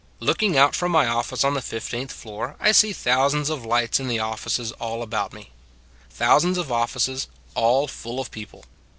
Looking out from my office on the fifteenth floor, I see thousands of lights in the offices all about me. Thousands of offices, all full of people.